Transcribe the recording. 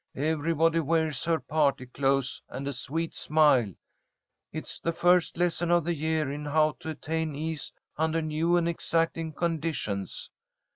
Everybody wears her party clothes and a sweet smile. It's the first lesson of the year in How to attain Ease under New and Exacting Conditions.